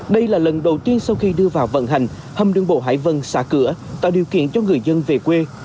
đây là lần đầu tiên sau khi đưa vào vận hành hầm đường bộ hải vân xả cửa tạo điều kiện cho người dân về quê